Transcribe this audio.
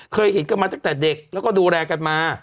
เคยเห็นกันมาตั้งแต่เด็กแล้วก็ดูแลกันมา